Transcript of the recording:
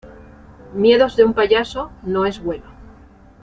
Miedos de un payaso' no es bueno.